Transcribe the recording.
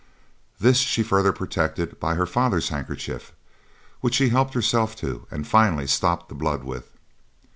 This she further protected by her father's handkerchief, which she helped herself to and finally stopped the blood with.